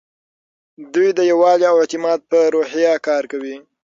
دوی د یووالي او اعتماد په روحیه کار کوي.